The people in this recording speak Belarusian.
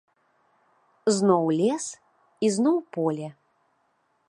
Зноў лес і зноў поле.